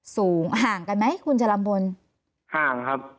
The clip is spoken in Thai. สูงห่างกันไหมคุณจรัมพลห่างครับ